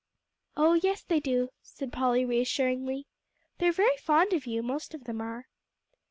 "Oh yes, they do," said Polly reassuringly, "they're very fond of you, most of them are."